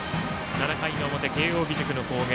７回の表、慶応義塾の攻撃。